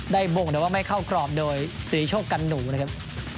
บ่งแต่ว่าไม่เข้ากรอบโดยสิริโชคกันหนูนะครับ